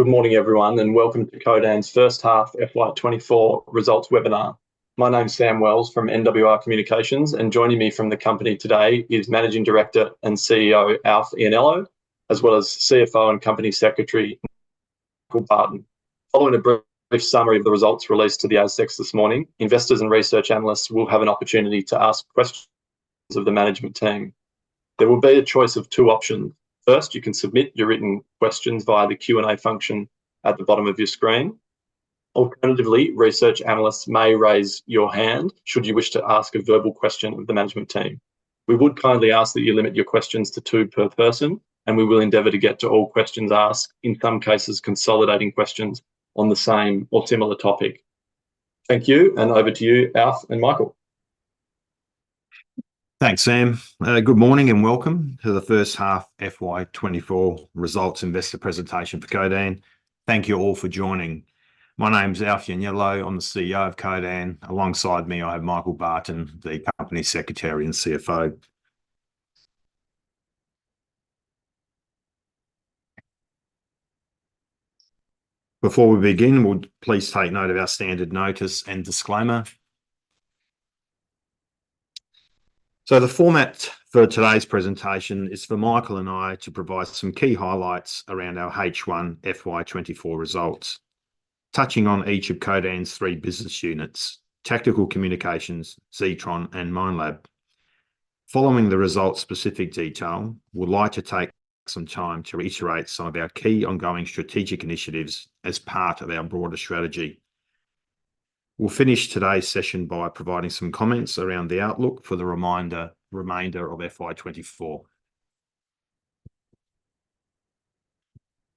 Good morning, everyone, and welcome to Codan's first half FY 2024 results webinar. My name's Sam Wells from NWR Communications, and joining me from the company today is Managing Director and CEO Alf Ianniello, as well as CFO and Company Secretary Michael Barton. Following a brief summary of the results released to the ASX this morning, investors and research analysts will have an opportunity to ask questions of the management team. There will be a choice of two options. First, you can submit your written questions via the Q&A function at the bottom of your screen. Alternatively, research analysts may raise your hand should you wish to ask a verbal question of the management team. We would kindly ask that you limit your questions to two per person, and we will endeavor to get to all questions asked, in some cases consolidating questions on the same or similar topic. Thank you, and over to you, Alf and Michael. Thanks, Sam. Good morning and welcome to the first half FY 2024 results investor presentation for Codan. Thank you all for joining. My name's Alf Ianniello. I'm the CEO of Codan. Alongside me, I have Michael Barton, the Company Secretary and CFO. Before we begin, would you please take note of our standard notice and disclaimer. The format for today's presentation is for Michael and I to provide some key highlights around our H1 FY 2024 results, touching on each of Codan's three business units: Tactical Communications, Zetron, and Minelab. Following the results-specific detail, we'd like to take some time to reiterate some of our key ongoing strategic initiatives as part of our broader strategy. We'll finish today's session by providing some comments around the outlook for the remainder of FY 2024.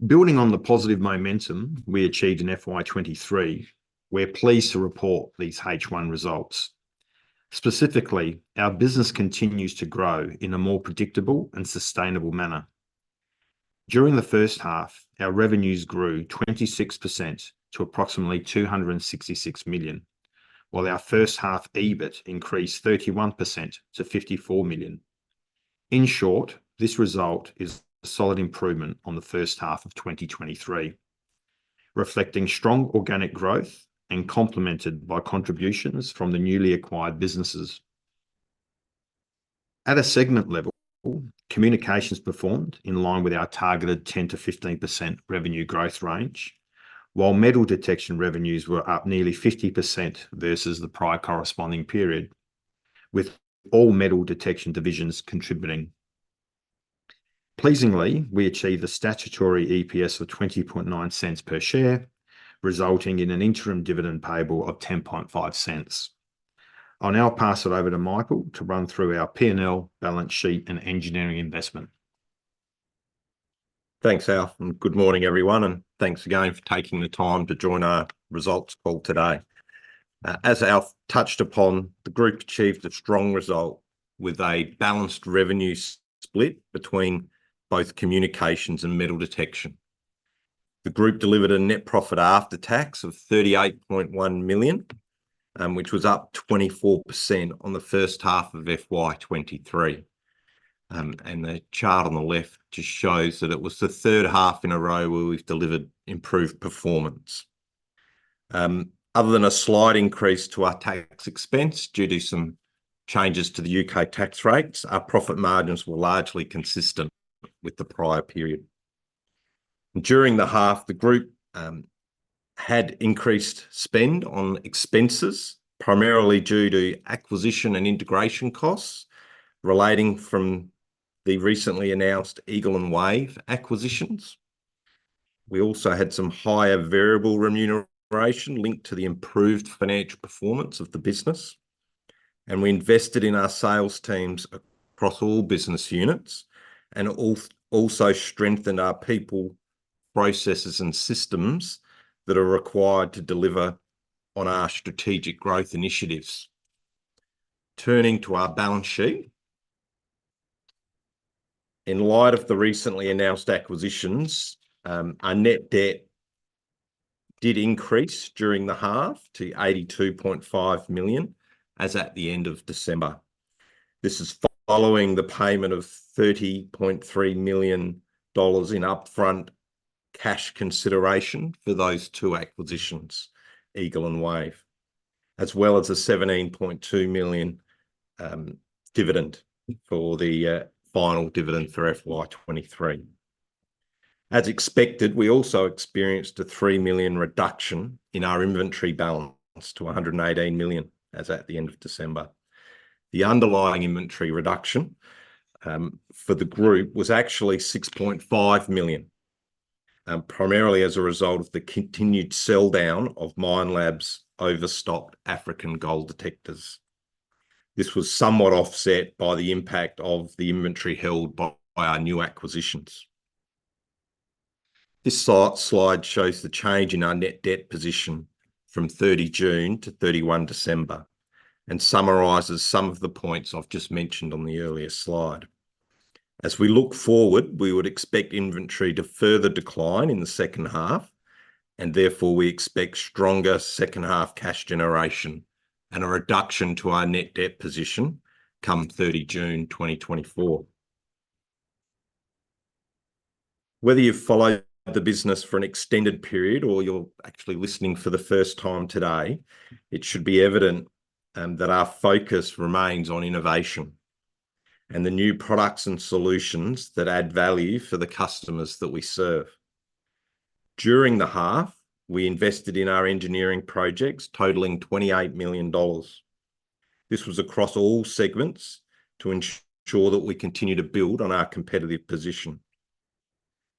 Building on the positive momentum we achieved in FY 2023, we're pleased to report these H1 results. Specifically, our business continues to grow in a more predictable and sustainable manner. During the first half, our revenues grew 26% to approximately 266 million, while our first half EBIT increased 31% to 54 million. In short, this result is a solid improvement on the first half of 2023, reflecting strong organic growth and complemented by contributions from the newly acquired businesses. At a segment level, communications performed in line with our targeted 10%-15% revenue growth range, while metal detection revenues were up nearly 50% versus the prior corresponding period, with all metal detection divisions contributing. Pleasingly, we achieved a statutory EPS of 0.209 per share, resulting in an interim dividend payable of 0.105. I'll now pass it over to Michael to run through our P&L, balance sheet, and engineering investment. Thanks, Alf, and good morning, everyone, and thanks again for taking the time to join our results call today. As Alf touched upon, the group achieved a strong result with a balanced revenue split between both communications and metal detection. The group delivered a net profit after tax of 38.1 million, which was up 24% on the first half of FY 2023. And the chart on the left just shows that it was the third half in a row where we've delivered improved performance. Other than a slight increase to our tax expense due to some changes to the U.K. tax rates, our profit margins were largely consistent with the prior period. During the half, the group had increased spend on expenses, primarily due to acquisition and integration costs relating from the recently announced Eagle and Wave acquisitions. We also had some higher variable remuneration linked to the improved financial performance of the business. And we invested in our sales teams across all business units and also strengthened our people, processes, and systems that are required to deliver on our strategic growth initiatives. Turning to our balance sheet, in light of the recently announced acquisitions, our net debt did increase during the half to 82.5 million as at the end of December. This is following the payment of $30.3 million in upfront cash consideration for those two acquisitions, Eagle and Wave, as well as a 17.2 million dividend for the final dividend for FY 2023. As expected, we also experienced a 3 million reduction in our inventory balance to 118 million as at the end of December. The underlying inventory reduction for the group was actually 6.5 million, primarily as a result of the continued sell-down of Minelab's overstocked African gold detectors. This was somewhat offset by the impact of the inventory held by our new acquisitions. This slide shows the change in our net debt position from 30 June to 31 December and summarizes some of the points I've just mentioned on the earlier slide. As we look forward, we would expect inventory to further decline in the second half, and therefore we expect stronger second-half cash generation and a reduction to our net debt position come 30 June 2024. Whether you've followed the business for an extended period or you're actually listening for the first time today, it should be evident that our focus remains on innovation and the new products and solutions that add value for the customers that we serve. During the half, we invested in our engineering projects, totaling 28 million dollars. This was across all segments to ensure that we continue to build on our competitive position.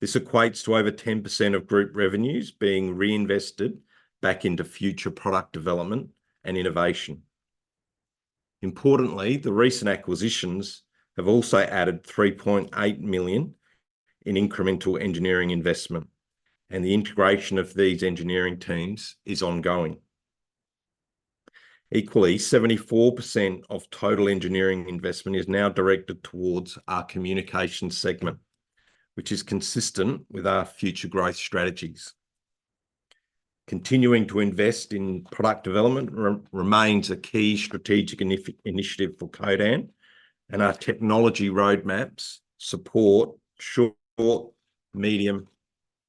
This equates to over 10% of group revenues being reinvested back into future product development and innovation. Importantly, the recent acquisitions have also added 3.8 million in incremental engineering investment, and the integration of these engineering teams is ongoing. Equally, 74% of total engineering investment is now directed towards our communications segment, which is consistent with our future growth strategies. Continuing to invest in product development remains a key strategic initiative for Codan, and our technology roadmaps support short, medium,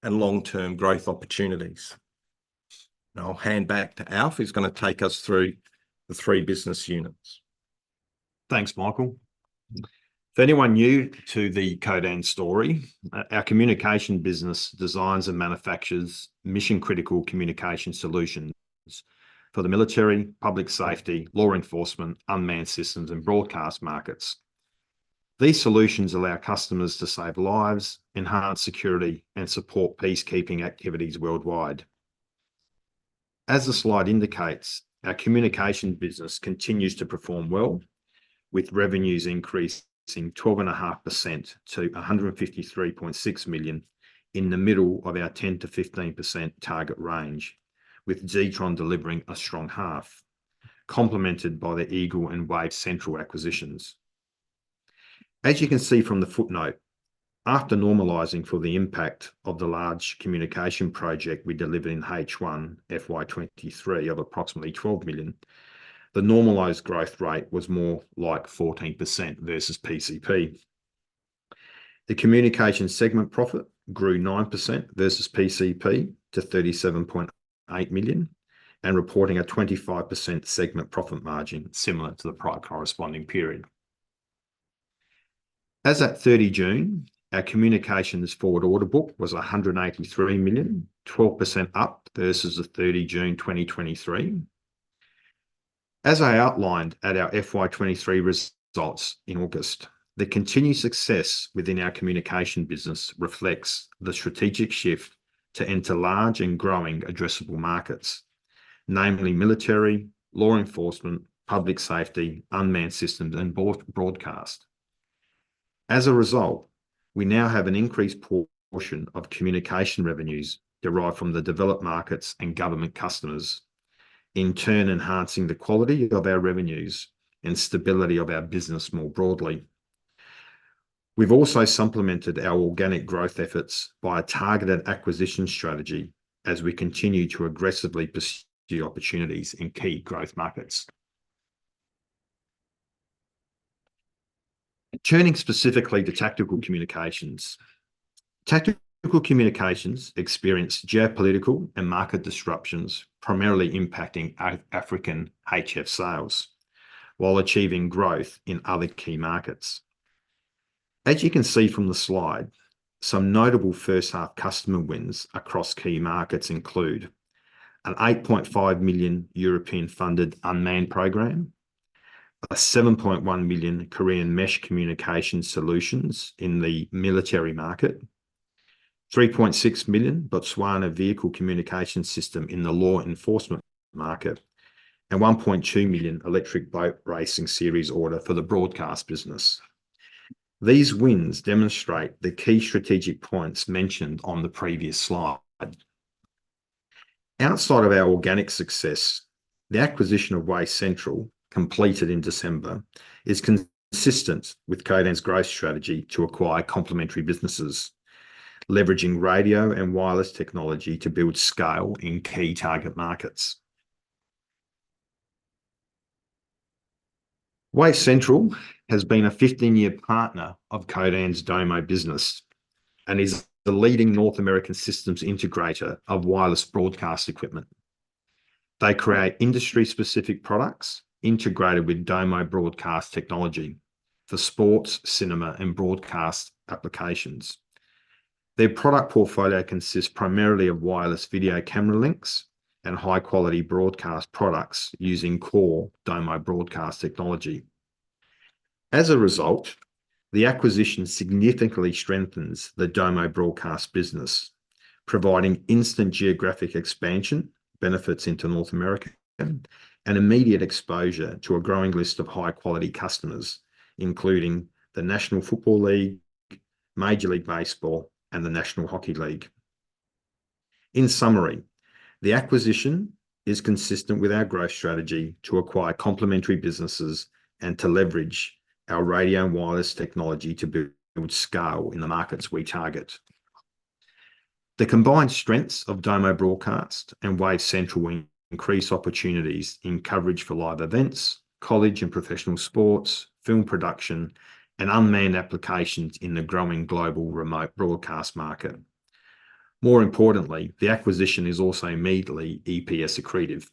and long-term growth opportunities. Now I'll hand back to Alf, who's going to take us through the three business units. Thanks, Michael. For anyone new to the Codan story, our communication business designs and manufactures mission-critical communication solutions for the military, public safety, law enforcement, unmanned systems, and broadcast markets. These solutions allow customers to save lives, enhance security, and support peacekeeping activities worldwide. As the slide indicates, our communication business continues to perform well, with revenues increasing 12.5% to 153.6 million in the middle of our 10%-15% target range, with Zetron delivering a strong half, complemented by the Eagle and Wave Central acquisitions. As you can see from the footnote, after normalizing for the impact of the large communication project we delivered in H1 FY 2023 of approximately 12 million, the normalized growth rate was more like 14% versus PCP. The communication segment profit grew 9% versus PCP to 37.8 million, and reporting a 25% segment profit margin similar to the prior corresponding period. As at 30 June, our communications forward order book was 183 million, 12% up versus 30 June 2023. As I outlined at our FY 2023 results in August, the continued success within our communication business reflects the strategic shift to enter large and growing addressable markets, namely military, law enforcement, public safety, unmanned systems, and broadcast. As a result, we now have an increased portion of communication revenues derived from the developed markets and government customers, in turn enhancing the quality of our revenues and stability of our business more broadly. We've also supplemented our organic growth efforts by a targeted acquisition strategy as we continue to aggressively pursue opportunities in key growth markets. Turning specifically to Tactical Communications, Tactical Communications experienced geopolitical and market disruptions primarily impacting African HF sales, while achieving growth in other key markets. As you can see from the slide, some notable first-half customer wins across key markets include an 8.5 million European-funded unmanned program, a 7.1 million Korean mesh communication solutions in the military market, 3.6 million Botswana vehicle communication system in the law enforcement market, and 1.2 million electric boat racing series order for the broadcast business. These wins demonstrate the key strategic points mentioned on the previous slide. Outside of our organic success, the acquisition of Wave Central, completed in December, is consistent with Codan's growth strategy to acquire complementary businesses, leveraging radio and wireless technology to build scale in key target markets. Wave Central has been a 15-year partner of Codan's Domo business and is the leading North American systems integrator of wireless broadcast equipment. They create industry-specific products integrated with Domo Broadcast technology for sports, cinema, and broadcast applications. Their product portfolio consists primarily of wireless video camera links and high-quality broadcast products using core Domo Broadcast technology. As a result, the acquisition significantly strengthens the Domo Broadcast business, providing instant geographic expansion benefits into North America and immediate exposure to a growing list of high-quality customers, including the National Football League, Major League Baseball, and the National Hockey League. In summary, the acquisition is consistent with our growth strategy to acquire complementary businesses and to leverage our radio and wireless technology to build scale in the markets we target. The combined strengths of Domo Broadcast and Wave Central increase opportunities in coverage for live events, college and professional sports, film production, and unmanned applications in the growing global remote broadcast market. More importantly, the acquisition is also immediately EPS accretive.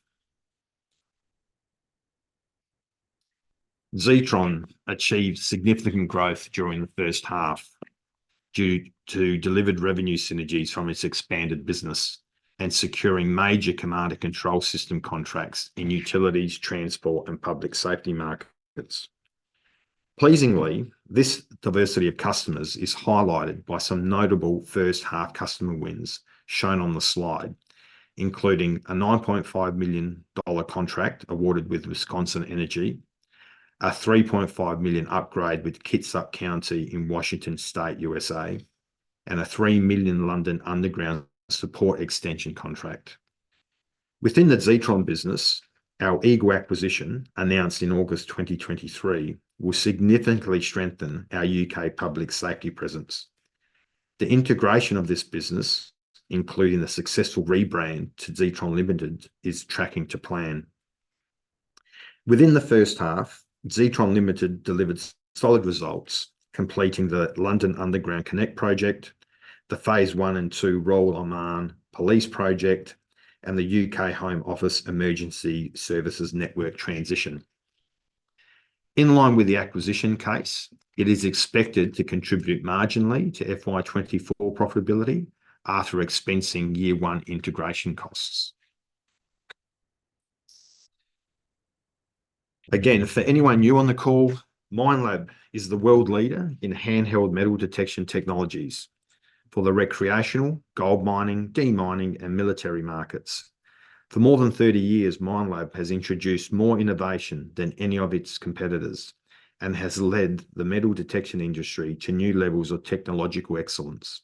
Zetron achieved significant growth during the first half due to delivered revenue synergies from its expanded business and securing major command and control system contracts in utilities, transport, and public safety markets. Pleasingly, this diversity of customers is highlighted by some notable first-half customer wins shown on the slide, including a $9.5 million contract awarded with Wisconsin Energy, a $3.5 million upgrade with Kitsap County in Washington State, U.S.A., and a $3 million London Underground support extension contract. Within the Zetron business, our Eagle acquisition announced in August 2023 will significantly strengthen our U.K. public safety presence. The integration of this business, including the successful rebrand to Zetron Limited, is tracking to plan. Within the first half, Zetron Limited delivered solid results, completing the London Underground Connect project, the Phase One and Two rollout Oman police project, and the U.K. Home Office Emergency Services Network transition. In line with the acquisition case, it is expected to contribute marginally to FY 2024 profitability after expensing year one integration costs. Again, for anyone new on the call, Minelab is the world leader in handheld metal detection technologies for the recreational, gold mining, demining, and military markets. For more than 30 years, Minelab has introduced more innovation than any of its competitors and has led the metal detection industry to new levels of technological excellence.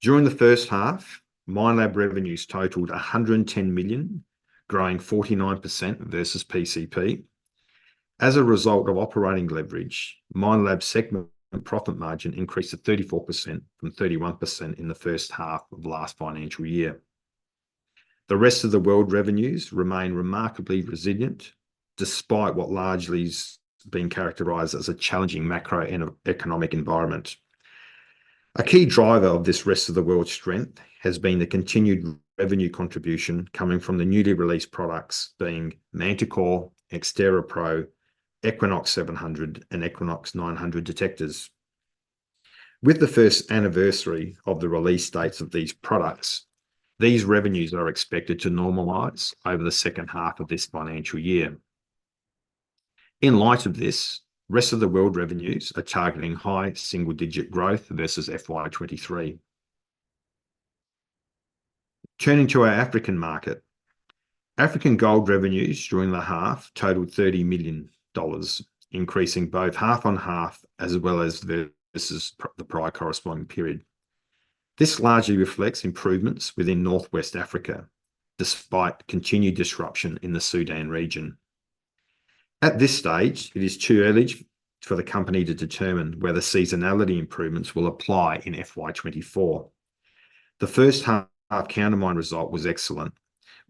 During the first half, Minelab revenues totaled 110 million, growing 49% versus PCP. As a result of operating leverage, Minelab's segment profit margin increased to 34% from 31% in the first half of last financial year. The rest of the world revenues remain remarkably resilient despite what largely has been characterized as a challenging macroeconomic environment. A key driver of this rest of the world strength has been the continued revenue contribution coming from the newly released products being Manticore, X-TERRA PRO, EQUINOX 700, and EQUINOX 900 detectors. With the first anniversary of the release dates of these products, these revenues are expected to normalize over the second half of this financial year. In light of this, rest of the world revenues are targeting high single-digit growth versus FY 2023. Turning to our African market, African gold revenues during the half totaled 30 million dollars, increasing both half-on-half as well as versus the prior corresponding period. This largely reflects improvements within Northwest Africa despite continued disruption in the Sudan region. At this stage, it is too early for the company to determine whether seasonality improvements will apply in FY 2024. The first-half Countermine result was excellent,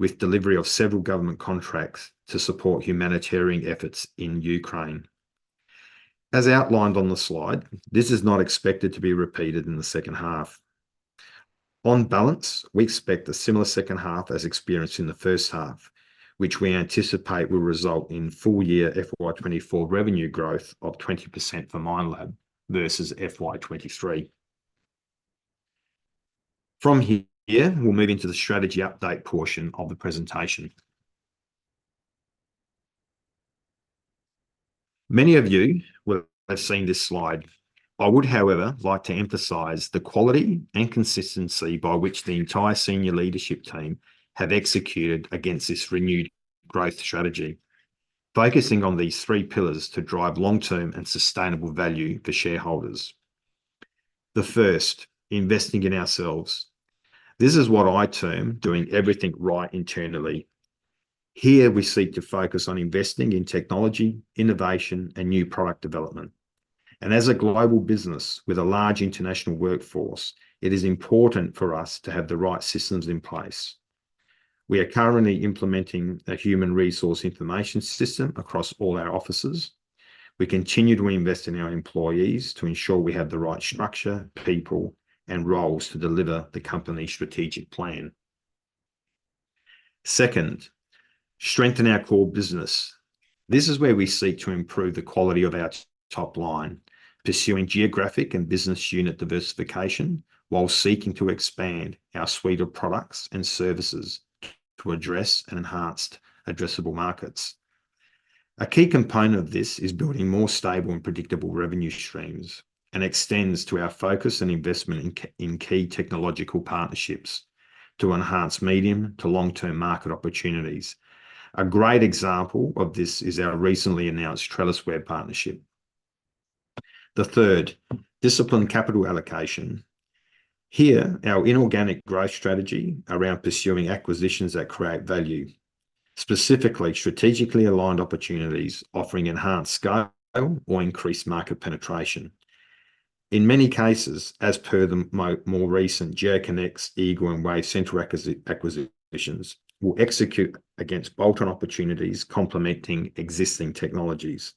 with delivery of several government contracts to support humanitarian efforts in Ukraine. As outlined on the slide, this is not expected to be repeated in the second half. On balance, we expect a similar second half as experienced in the first half, which we anticipate will result in full-year FY 2024 revenue growth of 20% for Minelab versus FY 2023. From here, we'll move into the strategy update portion of the presentation. Many of you will have seen this slide. I would, however, like to emphasize the quality and consistency by which the entire senior leadership team have executed against this renewed growth strategy, focusing on these three pillars to drive long-term and sustainable value for shareholders. The first, investing in ourselves. This is what I term doing everything right internally. Here, we seek to focus on investing in technology, innovation, and new product development. And as a global business with a large international workforce, it is important for us to have the right systems in place. We are currently implementing a human resource information system across all our offices. We continue to invest in our employees to ensure we have the right structure, people, and roles to deliver the company's strategic plan. Second, strengthen our core business. This is where we seek to improve the quality of our top line, pursuing geographic and business unit diversification while seeking to expand our suite of products and services to address and enhance addressable markets. A key component of this is building more stable and predictable revenue streams and extends to our focus and investment in key technological partnerships to enhance medium to long-term market opportunities. A great example of this is our recently announced TrellisWare partnership. The third, discipline capital allocation. Here, our inorganic growth strategy around pursuing acquisitions that create value, specifically strategically aligned opportunities offering enhanced scale or increased market penetration. In many cases, as per the more recent GeoConex, Eagle, and Wave Central acquisitions, we'll execute against bolt-on opportunities complementing existing technologies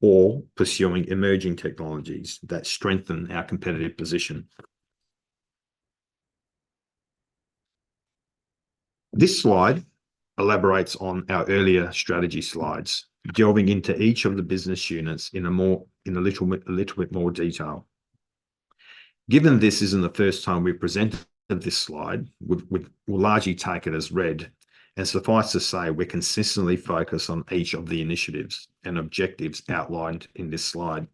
or pursuing emerging technologies that strengthen our competitive position. This slide elaborates on our earlier strategy slides, delving into each of the business units in a little bit more detail. Given this isn't the first time we've presented this slide, we'll largely take it as read. Suffice to say, we're consistently focused on each of the initiatives and objectives outlined in this slide,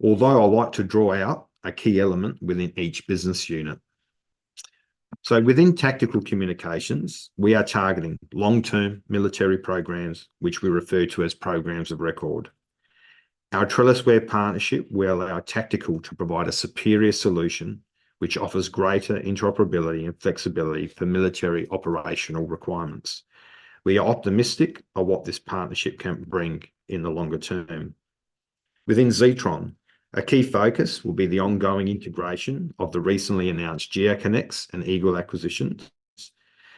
although I like to draw out a key element within each business unit. So, within Tactical Communications, we are targeting long-term military programs, which we refer to as programs of record. Our TrellisWare partnership will allow Tactical to provide a superior solution, which offers greater interoperability and flexibility for military operational requirements. We are optimistic of what this partnership can bring in the longer term. Within Zetron, a key focus will be the ongoing integration of the recently announced GeoConex and Eagle acquisitions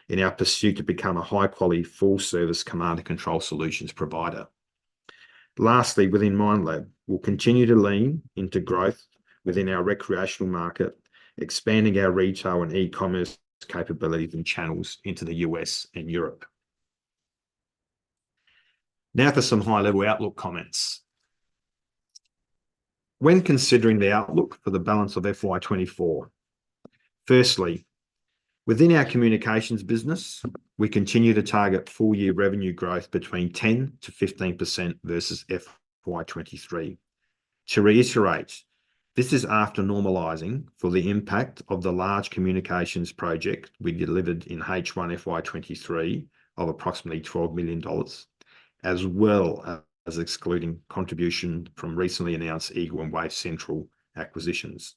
in our pursuit to become a high-quality full-service command and control solutions provider. Lastly, within Minelab, we'll continue to lean into growth within our recreational market, expanding our retail and e-commerce capabilities and channels into the US and Europe. Now for some high-level outlook comments. When considering the outlook for the balance of FY 2024, firstly, within our communications business, we continue to target full-year revenue growth between 10%-15% versus FY 2023. To reiterate, this is after normalizing for the impact of the large communications project we delivered in H1 FY 2023 of approximately 12 million dollars, as well as excluding contribution from recently announced Eagle and Wave Central acquisitions.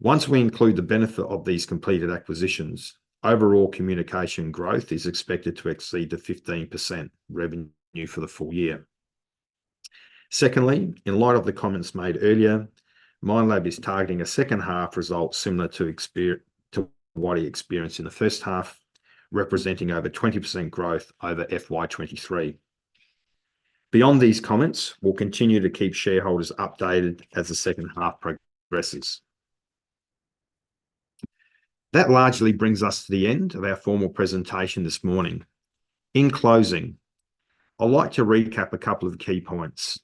Once we include the benefit of these completed acquisitions, overall communication growth is expected to exceed the 15% revenue for the full year. Secondly, in light of the comments made earlier, Minelab is targeting a second-half result similar to what we experienced in the first half, representing over 20% growth over FY 2023. Beyond these comments, we'll continue to keep shareholders updated as the second half progresses. That largely brings us to the end of our formal presentation this morning. In closing, I'd like to recap a couple of key points,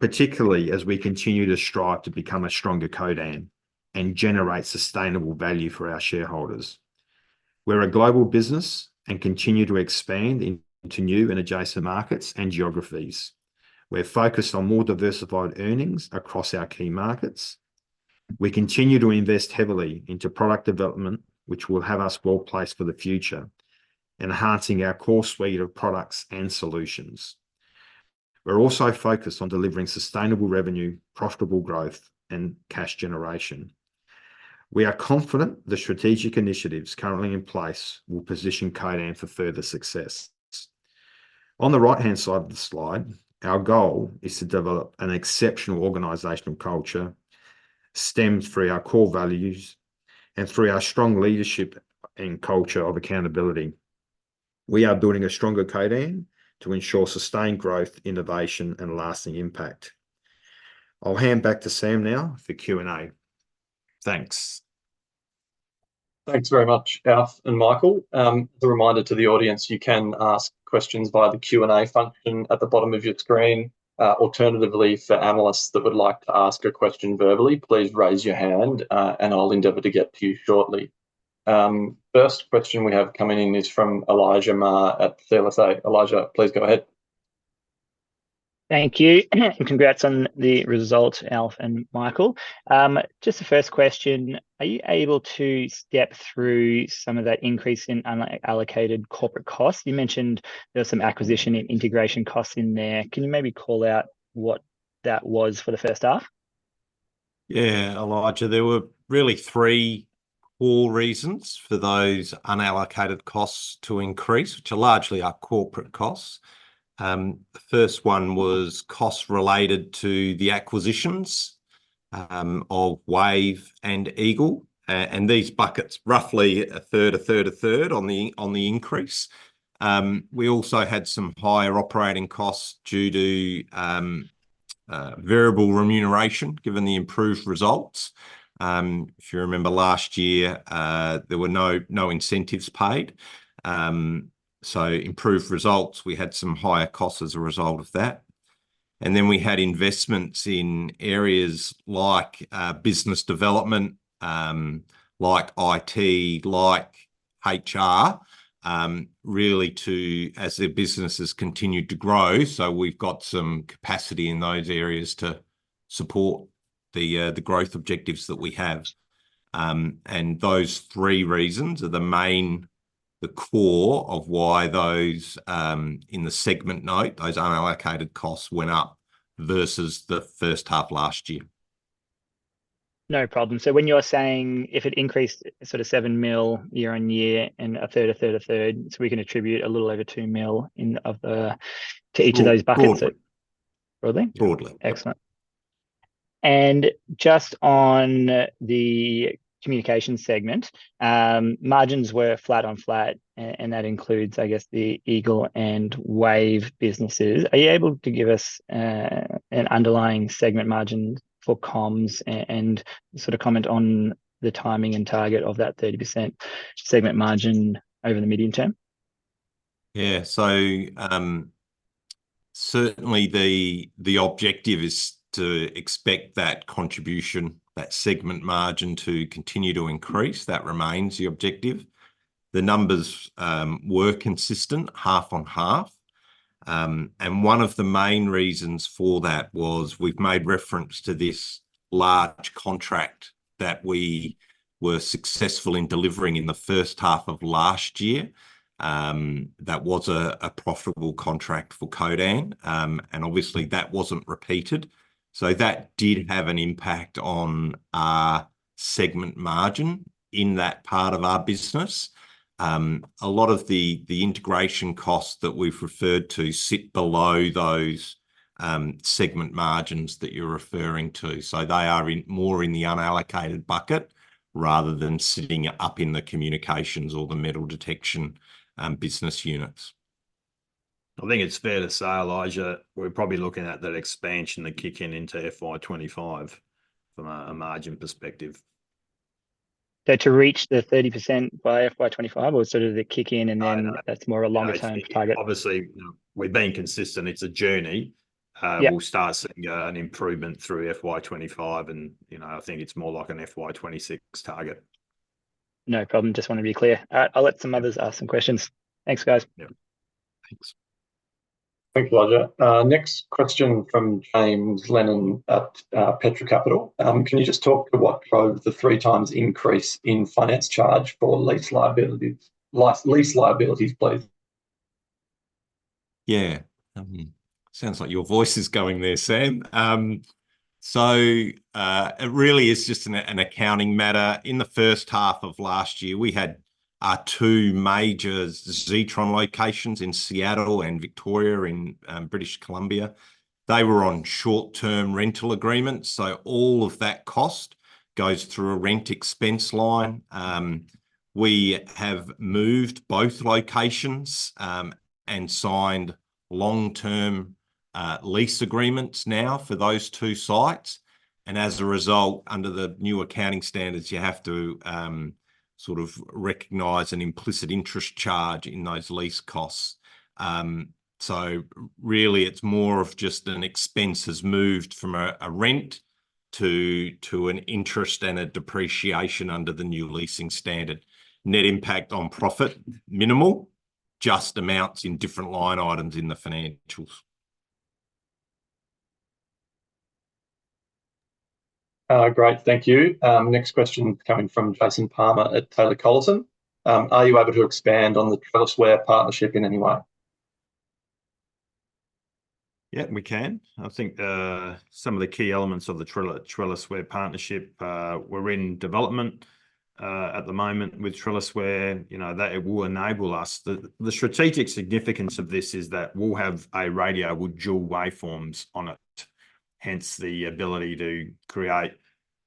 particularly as we continue to strive to become a stronger Codan and generate sustainable value for our shareholders. We're a global business and continue to expand into new and adjacent markets and geographies. We're focused on more diversified earnings across our key markets. We continue to invest heavily into product development, which will have us well-placed for the future, enhancing our core suite of products and solutions. We're also focused on delivering sustainable revenue, profitable growth, and cash generation. We are confident the strategic initiatives currently in place will position Codan for further success. On the right-hand side of the slide, our goal is to develop an exceptional organizational culture stemming from our core values and through our strong leadership and culture of accountability. We are building a stronger Codan to ensure sustained growth, innovation, and lasting impact. I'll hand back to Sam now for Q&A. Thanks. Thanks very much, Alf and Michael. As a reminder to the audience, you can ask questions via the Q&A function at the bottom of your screen. Alternatively, for analysts that would like to ask a question verbally, please raise your hand, and I'll endeavor to get to you shortly. First question we have coming in is from Elijah Mayr at CLSA. Elijah, please go ahead. Thank you. Congrats on the result, Alf and Michael. Just the first question, are you able to step through some of that increase in unallocated corporate costs? You mentioned there were some acquisition and integration costs in there. Can you maybe call out what that was for the first half? Yeah, Elijah. There were really three core reasons for those unallocated costs to increase, which are largely our corporate costs. The first one was costs related to the acquisitions of Wave and Eagle, and these buckets roughly a third, a third, a third on the increase. We also had some higher operating costs due to variable remuneration given the improved results. If you remember last year, there were no incentives paid. So, improved results, we had some higher costs as a result of that. And then we had investments in areas like business development, like IT, like HR, really as the businesses continue to grow. So, we've got some capacity in those areas to support the growth objectives that we have. And those three reasons are the core, the core of why those in the segment note, those unallocated costs went up versus the first half last year. No problem. So, when you're saying if it increased sort of 7 million year-on-year and a third, a third, a third, so we can attribute a little over 2 million to each of those buckets? Broadly? Broadly. Excellent. And just on the communications segment, margins were flat-on-flat, and that includes, I guess, the Eagle and Wave businesses. Are you able to give us an underlying segment margin for comms and sort of comment on the timing and target of that 30% segment margin over the medium term? Yeah. So, certainly the objective is to expect that contribution, that segment margin to continue to increase. That remains the objective. The numbers were consistent half-on-half. And one of the main reasons for that was we've made reference to this large contract that we were successful in delivering in the first half of last year. That was a profitable contract for Codan. Obviously, that wasn't repeated. That did have an impact on our segment margin in that part of our business. A lot of the integration costs that we've referred to sit below those segment margins that you're referring to. They are more in the unallocated bucket rather than sitting up in the communications or the metal detection business units. I think it's fair to say, Elijah, we're probably looking at that expansion that kick in into FY 2025 from a margin perspective. To reach the 30% by FY 2025 or sort of the kick in and then that's more a longer-term target? Obviously, we've been consistent. It's a journey. We'll start seeing an improvement through FY 2025, and I think it's more like an FY 2026 target. No problem. Just want to be clear. I'll let some others ask some questions. Thanks, guys. Yeah. Thanks. Thanks, Elijah. Next question from James Lennon at Petra Capital. Can you just talk to what drove the three times increase in finance charge for lease liabilities, please? Yeah. Sounds like your voice is going there, Sam. So, it really is just an accounting matter. In the first half of last year, we had our two major Zetron locations in Seattle and Victoria in British Columbia. They were on short-term rental agreements. So, all of that cost goes through a rent expense line. We have moved both locations and signed long-term lease agreements now for those two sites. And as a result, under the new accounting standards, you have to sort of recognize an implicit interest charge in those lease costs. So, really, it's more of just an expense has moved from a rent to an interest and a depreciation under the new leasing standard. Net impact on profit, minimal, just amounts in different line items in the financials. Great. Thank you. Next question coming from Jason Palmer at Taylor Collison. Are you able to expand on the TrellisWare partnership in any way? Yeah, we can. I think some of the key elements of the TrellisWare partnership, we're in development at the moment with TrellisWare. That will enable us. The strategic significance of this is that we'll have a radio with dual waveforms on it, hence the ability to create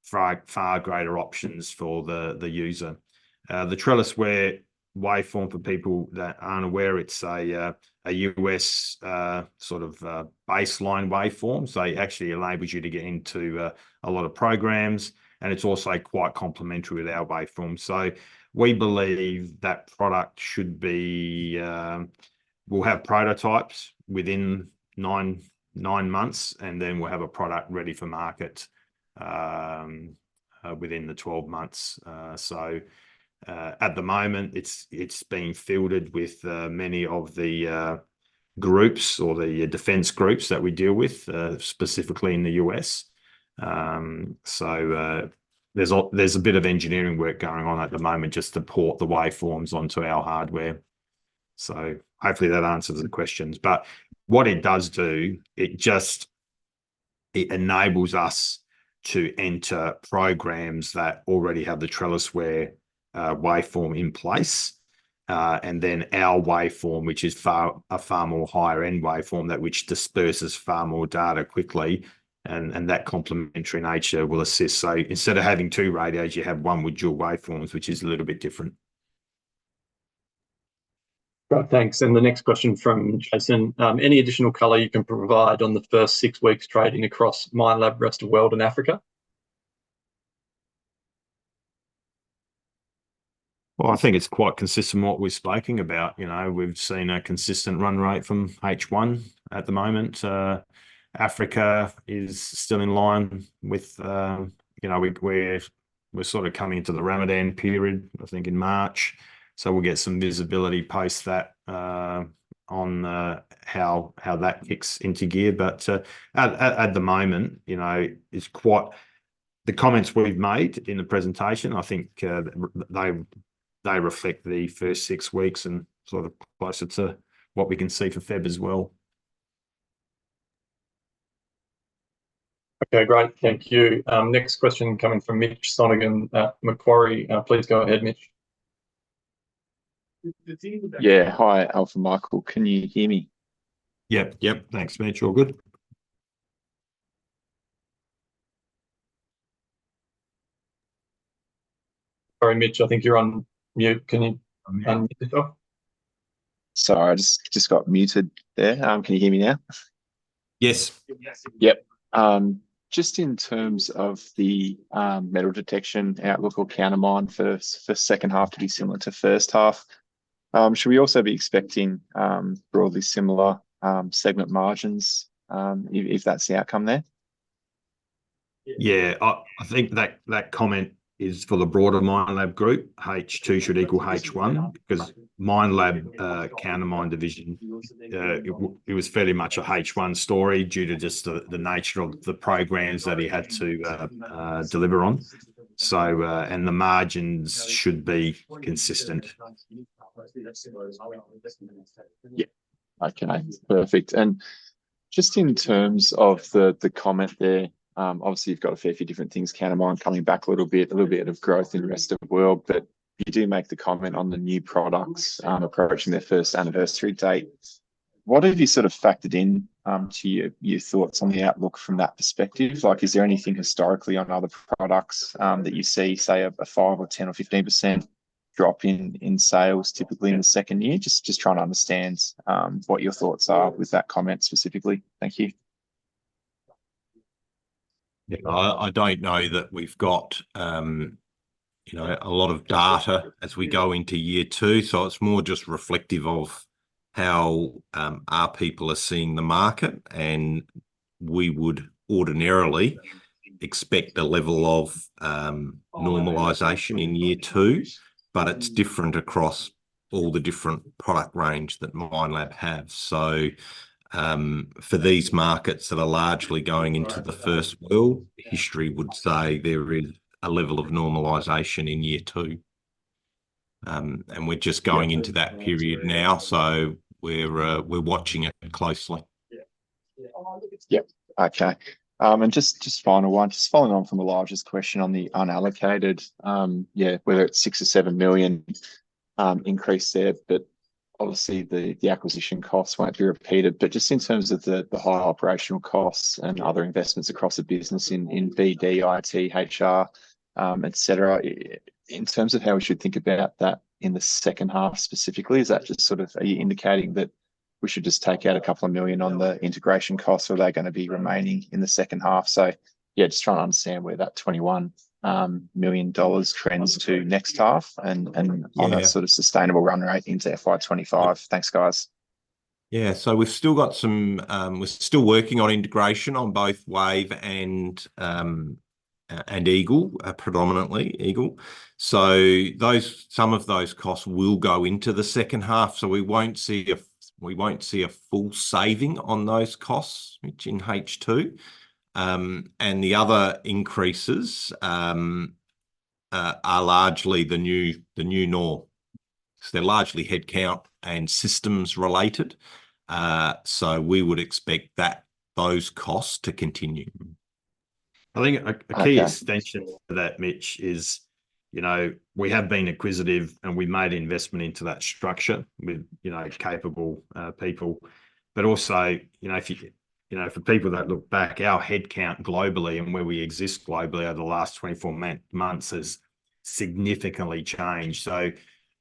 far greater options for the user. The TrellisWare waveform for people that aren't aware, it's a U.S. sort of baseline waveform. So, it actually enables you to get into a lot of programs, and it's also quite complementary with our waveform. We believe that product should be—we'll have prototypes within nine months, and then we'll have a product ready for market within the 12 months. At the moment, it's been fielded with many of the groups or the defense groups that we deal with, specifically in the U.S. There's a bit of engineering work going on at the moment just to port the waveforms onto our hardware. Hopefully, that answers the questions. But what it does do, it just enables us to enter programs that already have the TrellisWare waveform in place, and then our waveform, which is a far more higher-end waveform, which disperses far more data quickly, and that complementary nature will assist. Instead of having two radios, you have one with dual waveforms, which is a little bit different. Right. Thanks. And the next question from Jason. Any additional color you can provide on the first six weeks trading across Minelab, rest of world, and Africa? Well, I think it's quite consistent with what we're speaking about. We've seen a consistent run rate from H1 at the moment. Africa is still in line with we're sort of coming into the Ramadan period, I think, in March. So, we'll get some visibility post that on how that kicks into gear. But at the moment, it's quite the comments we've made in the presentation, I think they reflect the first six weeks and sort of closer to what we can see for February as well. Okay. Great. Thank you. Next question coming from Mitch Sonogan at Macquarie. Please go ahead, Mitch. Yeah. Hi, Alf and Michael. Can you hear me? Yep. Yep. Thanks, Mitch. All good. Sorry, Mitch. I think you're on mute. Can you unmute yourself? Sorry. I just got muted there. Can you hear me now? Yes. Yep. Just in terms of the metal detection outlook, we'll count Minelab for second half to be similar to first half. Should we also be expecting broadly similar segment margins if that's the outcome there? Yeah. I think that comment is for the broader Minelab group. H2 should equal H1 because Minelab Countermine division, it was fairly much a H1 story due to just the nature of the programs that he had to deliver on. And the margins should be consistent. Yeah. Okay. Perfect. And just in terms of the comment there, obviously, you've got a fair few different things Countermine coming back a little bit, a little bit of growth in rest of world, but you do make the comment on the new products approaching their first anniversary date. What have you sort of factored into your thoughts on the outlook from that perspective? Is there anything historically on other products that you see, say, a 5%, 10%, or 15% drop in sales, typically, in the second year? Just trying to understand what your thoughts are with that comment specifically. Thank you. Yeah. I don't know that we've got a lot of data as we go into year two. So, it's more just reflective of how our people are seeing the market. And we would ordinarily expect a level of normalization in year two, but it's different across all the different product range that Minelab have. So, for these markets that are largely going into the first world, history would say there is a level of normalization in year two. And we're just going into that period now. So, we're watching it closely. Yeah. Yeah. Okay. And just final one, just following on from Elijah's question on the unallocated, yeah, whether it's 6 million or 7 million increase there, but obviously, the acquisition costs won't be repeated. But just in terms of the high operational costs and other investments across the business in BD, IT, HR, etc., in terms of how we should think about that in the second half specifically, is that just sort of are you indicating that we should just take out a couple of million on the integration costs, or are they going to be remaining in the second half? So, yeah, just trying to understand where that 21 million dollars trends to next half and on a sort of sustainable run rate into FY 2025. Thanks, guys. Yeah. So, we've still got some we're still working on integration on both Wave and Eagle, predominantly Eagle. Some of those costs will go into the second half. We won't see a full saving on those costs, which in H2. The other increases are largely the new norm because they're largely headcount and systems related. We would expect those costs to continue. I think a key extension to that, Mitch, is we have been acquisitive, and we made investment into that structure with capable people. But also, for people that look back, our headcount globally and where we exist globally over the last 24 months has significantly changed.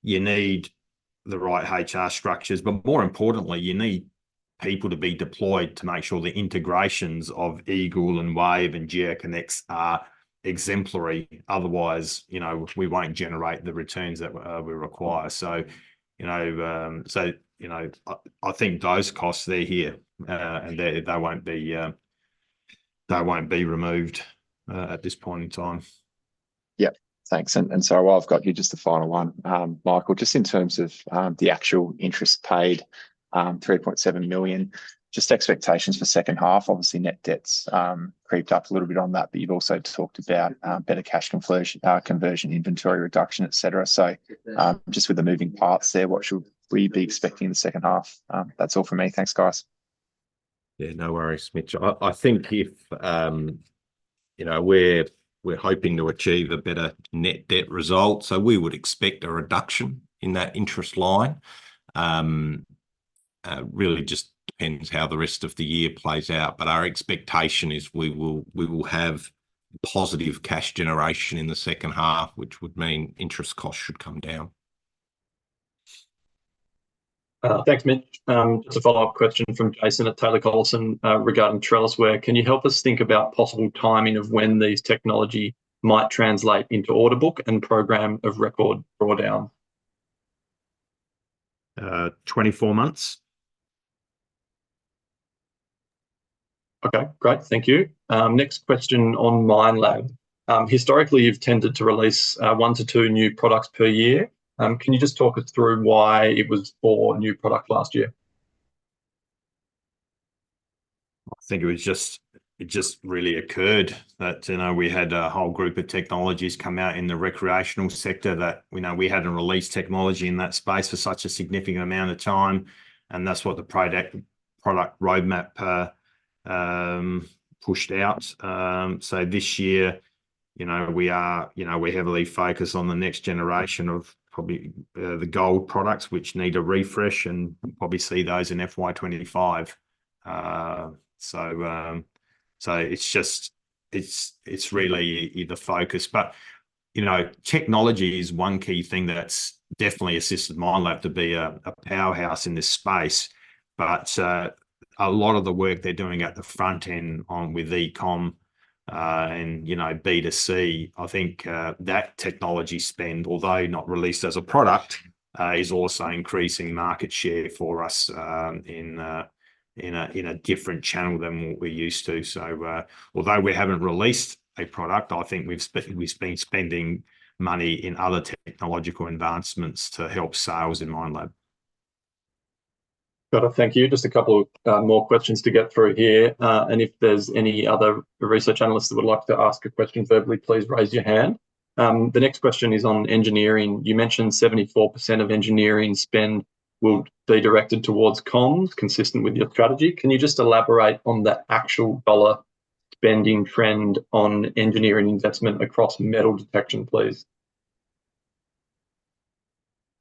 You need the right HR structures. But more importantly, you need people to be deployed to make sure the integrations of Eagle and Wave and GeoConex are exemplary. Otherwise, we won't generate the returns that we require. So, I think those costs, they're here, and they won't be removed at this point in time. Yep. Thanks. And Sam, while I've got you, just the final one, Michael, just in terms of the actual interest paid, 3.7 million, just expectations for second half, obviously, net debt crept up a little bit on that, but you've also talked about better cash conversion, inventory reduction, etc. So, just with the moving parts there, what should we be expecting in the second half? That's all from me. Thanks, guys. Yeah. No worries, Mitch. I think if we're hoping to achieve a better net debt result, so we would expect a reduction in that interest line. Really, it just depends how the rest of the year plays out. But our expectation is we will have positive cash generation in the second half, which would mean interest costs should come down. Thanks, Mitch. Just a follow-up question from Jason at Taylor Collison regarding TrellisWare. Can you help us think about possible timing of when these technology might translate into order book and program of record drawdown? 24 months. Okay. Great. Thank you. Next question on Minelab. Historically, you've tended to release one to two new products per year. Can you just talk us through why it was four new products last year? I think it was just really occurred that we had a whole group of technologies come out in the recreational sector that we hadn't released technology in that space for such a significant amount of time. And that's what the product roadmap pushed out. So, this year, we heavily focus on the next generation of probably the gold products, which need a refresh, and we'll probably see those in FY 2025. So, it's really the focus. Technology is one key thing that's definitely assisted Minelab to be a powerhouse in this space. A lot of the work they're doing at the front end with e-com and B2C, I think that technology spend, although not released as a product, is also increasing market share for us in a different channel than what we're used to. Although we haven't released a product, I think we've been spending money in other technological advancements to help sales in Minelab. Got it. Thank you. Just a couple more questions to get through here. If there's any other research analysts that would like to ask a question verbally, please raise your hand. The next question is on engineering. You mentioned 74% of engineering spend will be directed towards comms, consistent with your strategy. Can you just elaborate on the actual dollar spending trend on engineering investment across metal detection, please?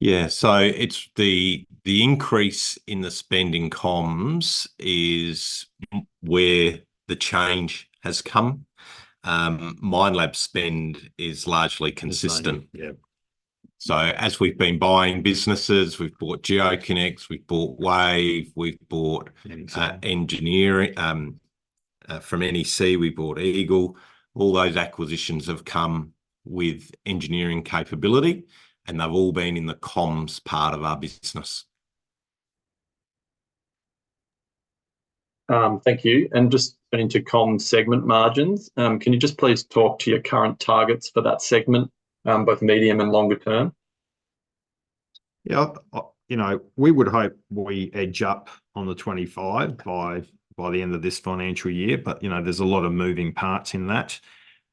Yeah. So, the increase in the spend in comms is where the change has come. Minelab spend is largely consistent. So, as we've been buying businesses, we've bought GeoConex, we've bought Wave, we've bought engineering from NEC, we bought Eagle. All those acquisitions have come with engineering capability, and they've all been in the comms part of our business. Thank you. And just into comms segment margins, can you just please talk to your current targets for that segment, both medium and longer term? Yeah. We would hope we edge up on the 25 by the end of this financial year. But there's a lot of moving parts in that.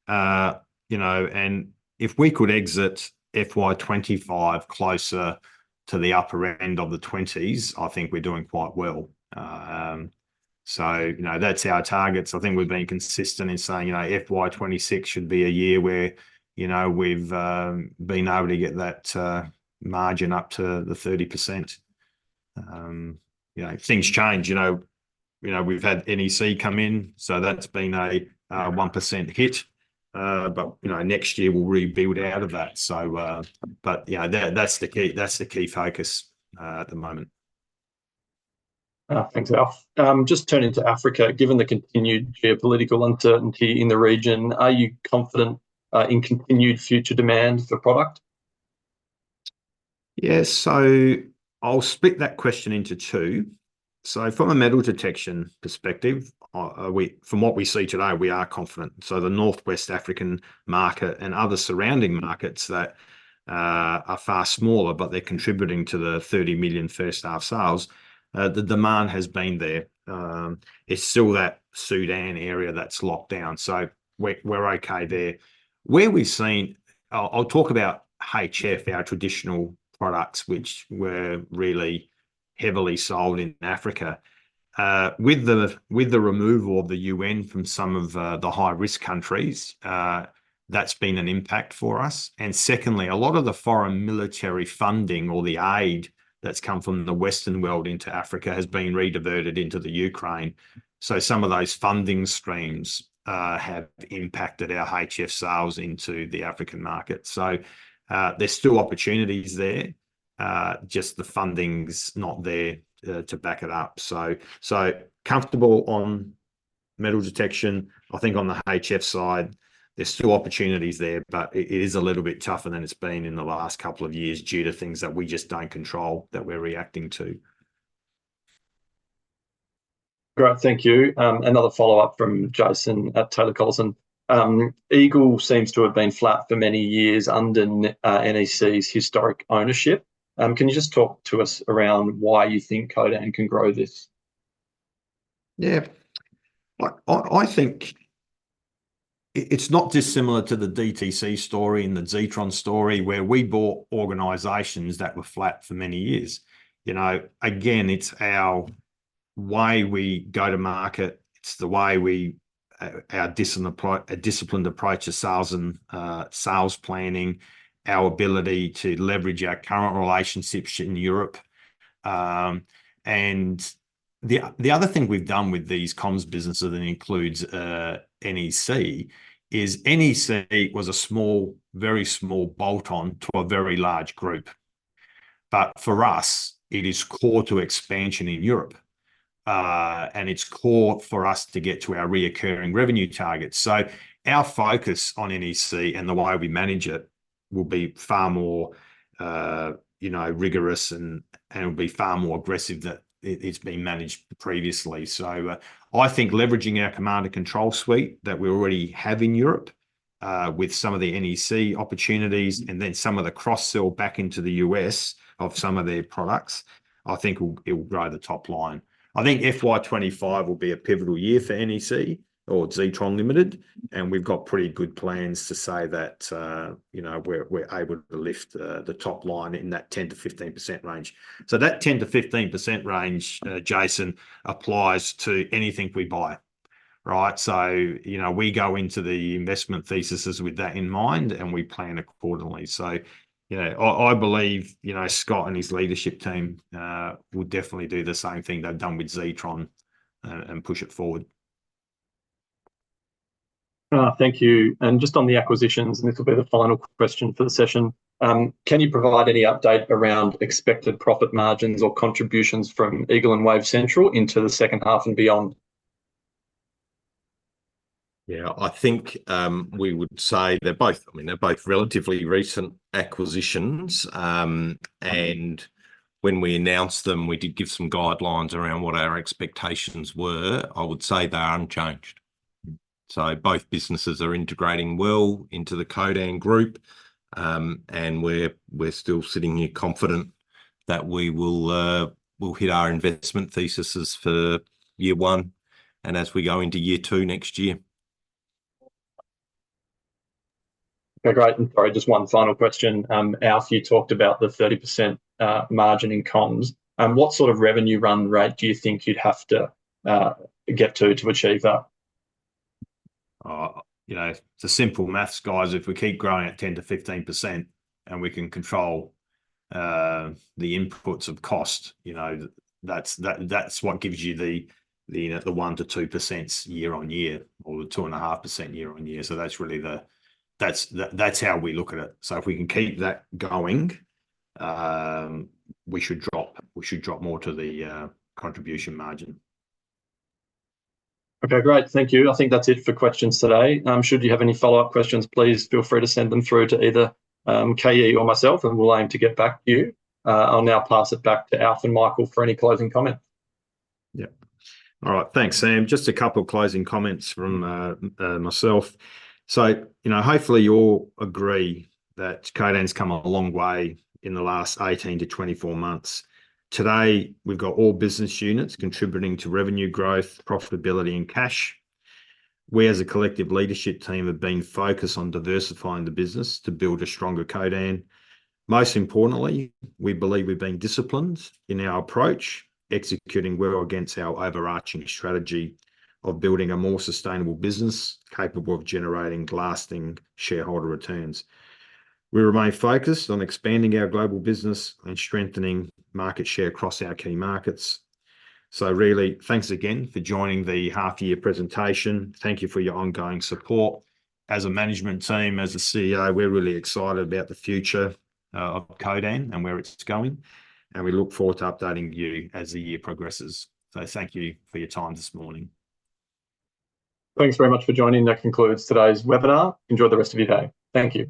And if we could exit FY 2025 closer to the upper end of the 20s, I think we're doing quite well. So, that's our targets. I think we've been consistent in saying FY 2026 should be a year where we've been able to get that margin up to the 30%. Things change. We've had NEC come in, so that's been a 1% hit. But next year, we'll rebuild out of that. But that's the key focus at the moment. Thanks, Alf. Just turning to Africa. Given the continued geopolitical uncertainty in the region, are you confident in continued future demand for product? Yeah. So, I'll split that question into two. So, from a metal detection perspective, from what we see today, we are confident. So, the Northwest African market and other surrounding markets that are far smaller, but they're contributing to the 30 million first half sales, the demand has been there. It's still that Sudan area that's locked down. So, we're okay there. Where we've seen, I'll talk about HF, our traditional products, which were really heavily sold in Africa. With the removal of the UN from some of the high-risk countries, that's been an impact for us. And secondly, a lot of the foreign military funding or the aid that's come from the Western world into Africa has been redirected into the Ukraine. So, some of those funding streams have impacted our HF sales into the African market. So, there's still opportunities there, just the funding's not there to back it up. So, comfortable on metal detection. I think on the HF side, there's still opportunities there, but it is a little bit tougher than it's been in the last couple of years due to things that we just don't control that we're reacting to. Great. Thank you. Another follow-up from Jason at Taylor Collison. Eagle seems to have been flat for many years under NEC's historic ownership. Can you just talk to us around why you think Codan can grow this? Yeah. I think it's not dissimilar to the DTC story and the Zetron story where we bought organizations that were flat for many years. Again, it's our way we go to market. It's the way we our disciplined approach to sales and sales planning, our ability to leverage our current relationships in Europe. And the other thing we've done with these comms businesses that includes NEC is NEC was a very small bolt-on to a very large group. But for us, it is core to expansion in Europe, and it's core for us to get to our recurring revenue targets. So, our focus on NEC and the way we manage it will be far more rigorous and will be far more aggressive than it's been managed previously. So, I think leveraging our command and control suite that we already have in Europe with some of the NEC opportunities and then some of the cross-sell back into the US of some of their products, I think it will grow the top line. I think FY 2025 will be a pivotal year for NEC or Zetron Limited, and we've got pretty good plans to say that we're able to lift the top line in that 10%-15% range. So, that 10%-15% range, Jason, applies to anything we buy, right? So, we go into the investment thesis with that in mind, and we plan accordingly. So, I believe Scott and his leadership team will definitely do the same thing they've done with Zetron and push it forward. Thank you. And just on the acquisitions, and this will be the final question for the session, can you provide any update around expected profit margins or contributions from Eagle and Wave Central into the second half and beyond? Yeah. I think we would say they're both, I mean, they're both relatively recent acquisitions. And when we announced them, we did give some guidelines around what our expectations were. I would say they're unchanged. So, both businesses are integrating well into the Codan group, and we're still sitting here confident that we will hit our investment thesis for year one and as we go into year two next year. Okay. Great. And sorry, just one final question. Alf, you talked about the 30% margin in comms. What sort of revenue run rate do you think you'd have to get to to achieve that? It's a simple math, guys. If we keep growing at 10%-15% and we can control the inputs of cost, that's what gives you the 1%-2% year on year or the 2.5% year on year. So, that's how we look at it. So, if we can keep that going, we should drop more to the contribution margin. Okay. Great. Thank you. I think that's it for questions today. Should you have any follow-up questions, please feel free to send them through to either Kay or myself, and we'll aim to get back to you. I'll now pass it back to Alf and Michael for any closing comment. Yep. All right. Thanks, Sam. Just a couple closing comments from myself. So, hopefully, you'll agree that Codan's come a long way in the last 18-24 months. Today, we've got all business units contributing to revenue growth, profitability, and cash. We, as a collective leadership team, have been focused on diversifying the business to build a stronger Codan. Most importantly, we believe we've been disciplined in our approach, executing well against our overarching strategy of building a more sustainable business capable of generating lasting shareholder returns. We remain focused on expanding our global business and strengthening market share across our key markets. So, really, thanks again for joining the half-year presentation. Thank you for your ongoing support. As a management team, as a CEO, we're really excited about the future of Codan and where it's going. And we look forward to updating you as the year progresses. So, thank you for your time this morning. Thanks very much for joining. That concludes today's webinar. Enjoy the rest of your day. Thank you.